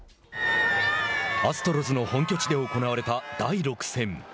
アストロズの本拠地で行われた第６戦。